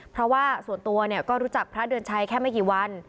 เพราะว่าส่วนตัวก็รู้จักพระเดือนชัยแค่ไม่กี่วัน